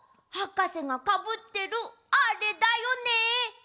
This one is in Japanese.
はかせがかぶってるあれだよね！